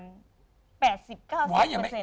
ยังไม่ร้อย